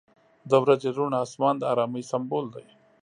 • د ورځې روڼ آسمان د آرامۍ سمبول دی.